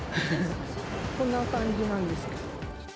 こんな感じなんですけど。